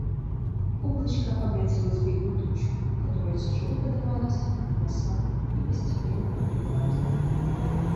Облачко обратилось в белую тучу, которая тяжело подымалась, росла и постепенно облегала небо.